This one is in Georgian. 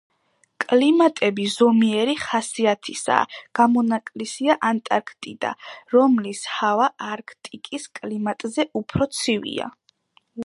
კლიმატები ზომიერი ხასიათისაა, გამონაკლისია ანტარქტიდა, რომლის ჰავა არქტიკის კლიმატზე უფრო ცივია.